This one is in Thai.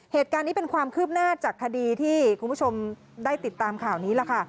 เหตุการณ์นี้เป็นความคืบหน้าจากคดีที่คุณผู้ชมได้ติดตามข่าวนี้ล่ะค่ะ